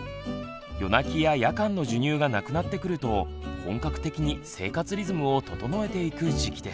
夜泣きや夜間の授乳がなくなってくると本格的に生活リズムを整えていく時期です。